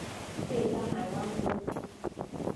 สี่สหายวันพุธ